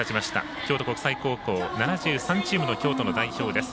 京都国際高校、７３チームの京都の代表です。